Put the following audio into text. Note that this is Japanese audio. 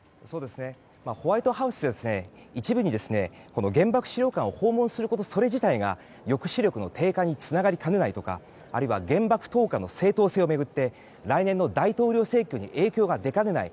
ホワイトハウスは一部に原爆資料館を訪問すること自体が抑止力の低下につながりかねないとかあるいは原爆投下の正当性を巡って来年の大統領選挙に影響が出かねない。